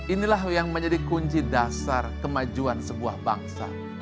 inilah yang menjadi kunci dasar kemajuan sebuah bangsa